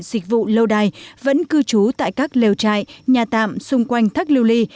dịch vụ lâu đài vẫn cư trú tại các lều trại nhà tạm xung quanh thác lưu ly